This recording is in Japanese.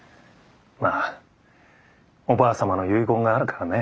まあおばあさまの遺言があるからね。